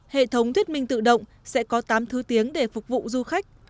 hệ thống thuyết minh tự động sẽ có tám thứ tiếng để phục vụ du khách